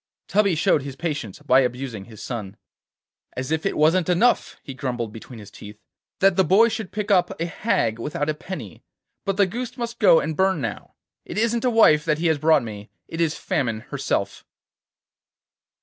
Tubby showed his patience by abusing his son. 'As if it wasn't enough,' he grumbled between his teeth, 'that the boy should pick up a hag without a penny, but the goose must go and burn now. It isn't a wife he has brought me, it is Famine herself.